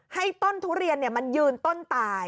ให้ต้นทุเรียนมันยืนต้นตาย